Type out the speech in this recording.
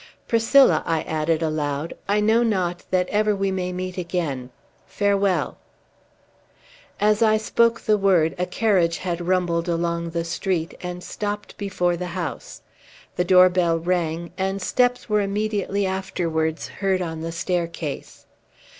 Priscilla," I added aloud, "I know not that ever we may meet again. Farewell!" As I spoke the word, a carriage had rumbled along the street, and stopt before the house. The doorbell rang, and steps were immediately afterwards heard on the staircase.